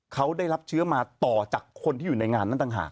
เขาได้รับเชื้อมาต่อจากคนที่อยู่ในงานนั้นต่างหาก